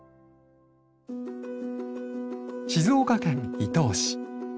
静岡県伊東市。